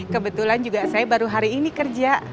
kebetulan juga saya baru hari ini kerja